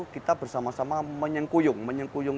kita bersama sama menyengkuyung